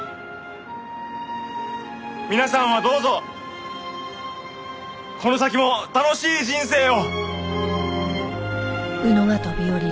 皆さんはどうぞこの先も楽しい人生を！